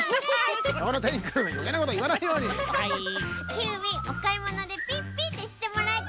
キーウィおかいものでピッピッてしてもらいたいな。